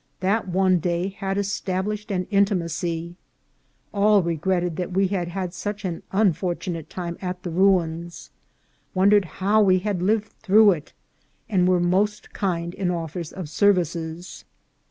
That one day had established an intimacy. All regretted that we had had such an unfortunate time at the ruins, won dered how we had lived through it, and were most kind in offers of services.